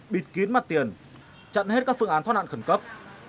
bịt kín mặt tiền chặn hết các phương án thoát nạn khẩn cấp